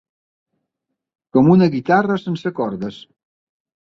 Com una guitarra sense cordes.